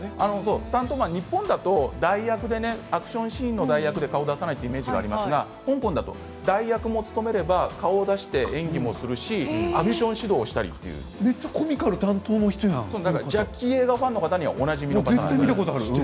スタントマンは日本だとアクションシーンの代役で顔を出さないというイメージがありますが香港だと代役もして顔を出して演技もするし、アクション指導もするしジャッキー・チェンファンの方にはおなじみの方です。